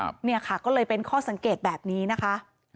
เนี่ยค่ะก็เลยเป็นข้อสังเกตแบบนี้นะคะ